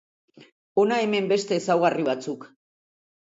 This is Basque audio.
Hona hemen beste ezaugarri batzuk.